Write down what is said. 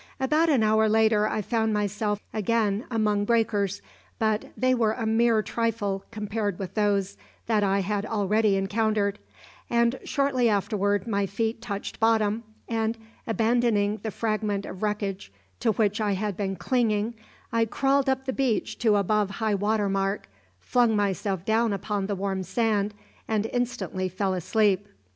About an hour later I found myself again among breakers; but they were a mere trifle compared with those that I had already encountered, and shortly afterward my feet touched bottom and, abandoning the fragment of wreckage to which I had been clinging, I crawled up the beach to above high water mark, flung myself down upon the warm sand, and instantly fell asleep.